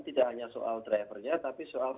tidak hanya soal drivernya tapi soal